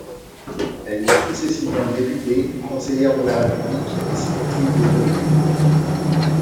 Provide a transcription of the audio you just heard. Elle est successivement députée, conseillère de la République et sénatrice de Guadeloupe.